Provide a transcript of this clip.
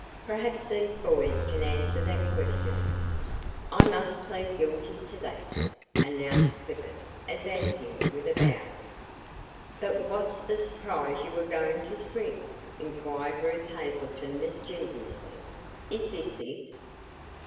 "Perhaps these boys can answer that question." "I must plead guilty to that," announced Clifford, advancing with a bow. "But what's the surprise you were going to spring?" inquired Ruth Hazelton, mischievously. "Is this it?"